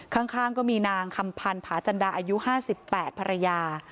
ข้างก็มีนางคำพันธ์ผาจันดาอายุ๕๘ภรรยา